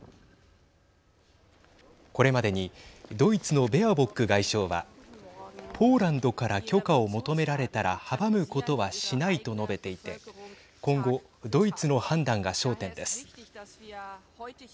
これまでにドイツのベアボック外相はポーランドから許可を求められたら阻むことはしないと述べていて今後ドイツの判断が焦点です。